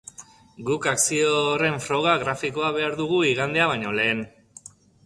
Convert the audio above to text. Guk akzio horren froga grafikoa behar dugu igandea baino lehen.